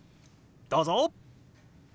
どうぞ！